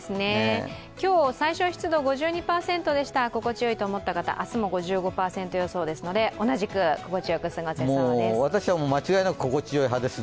今日、最小湿度は５２％でした心地よいと思った方明日も５５％予想ですので、同じく心地よく過ごせそうです。